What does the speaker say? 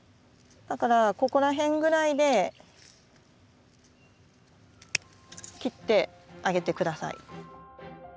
だからここら辺ぐらいで切ってあげて下さい。